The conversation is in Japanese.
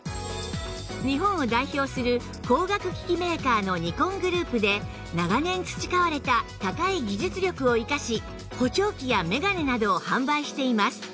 日本を代表する光学機器メーカーのニコングループで長年培われた高い技術力をいかし補聴器やメガネなどを販売しています